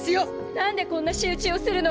なんでこんな仕打ちをするの？